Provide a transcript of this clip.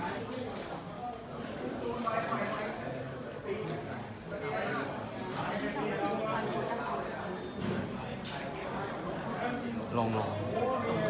เรื่องที่ฝ่ายค้างพร้อมอธิบายเมื่อคืนนะคะ